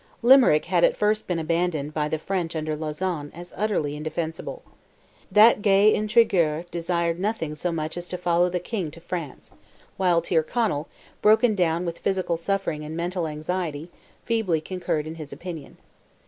Limerick had at first been abandoned by the French under Lauzan, as utterly indefensible. That gay intriguer desired nothing so much as to follow the King to France, while Tyrconnell, broken down with physical suffering and mental anxiety, feebly concurred in his opinion.